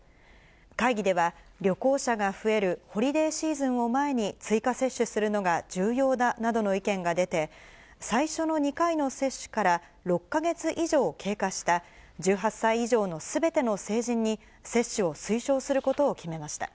会議では、旅行者が増えるホリデーシーズンを前に、追加接種するのが重要だなどの意見が出て、最初の２回の接種から６か月以上経過した１８歳以上のすべての成人に接種を推奨することを決めました。